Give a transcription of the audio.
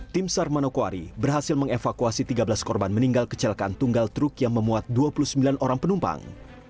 tim sar manokwari berhasil mengevakuasi tiga belas korban meninggal kecelakaan tunggal truk yang memuat dua puluh sembilan orang penumpang